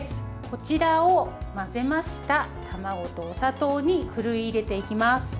こちらを混ぜました卵とお砂糖にふるい入れていきます。